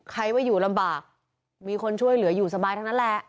ใครว่าอยู่ลำบากมีคนช่วยเหลืออยู่สบายทั้งนั้นแหละ